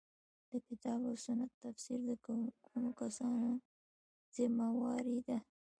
د کتاب او سنت تفسیر د کومو کسانو ذمه واري ده.